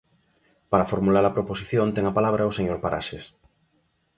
Para formular a proposición ten a palabra o señor Paraxes.